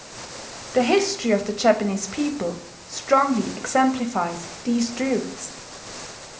The history of the Japanese people strongly exemplifies these truths.